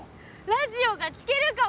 ラジオが聞けるかも！